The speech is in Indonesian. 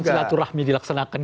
apa silaturahmi dilaksanakan